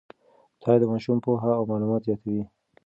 مطالعه د ماشوم پوهه او معلومات زیاتوي.